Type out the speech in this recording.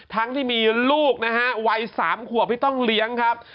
ทั้งที่มีลูกนะฮะวัย๓ขวบที่ต้องเลี้ยงครับ